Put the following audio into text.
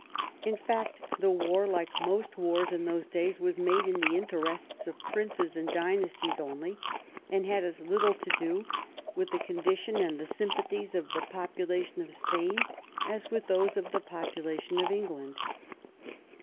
In fact, the war, like most wars in those times, was made in the interests of princes and dynas ties only, and had as little to do with the condition and the sympathies of the population of Spain as with those of the population of England.